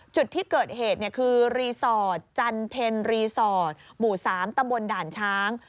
จุดที่เกิดเหตุคือรีสอร์ทจันเพ็ญรีสอร์ทหมู่๓ตำบลด่านช้าง